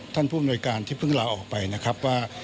ผู้อำนวยการที่เพิ่งลาออกไปนะครับว่า